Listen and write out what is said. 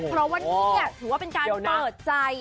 เพราะว่านี่ถือว่าเป็นการเปิดใจ